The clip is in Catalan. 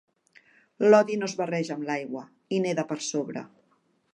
L'oli no es barreja amb l'aigua: hi neda per sobre.